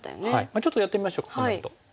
ちょっとやってみましょうかこのあと。